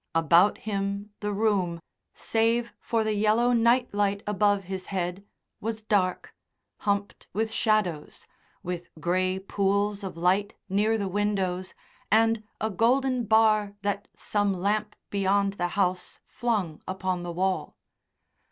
About him the room, save for the yellow night light above his head, was dark, humped with shadows, with grey pools of light near the windows, and a golden bar that some lamp beyond the house flung upon the wall.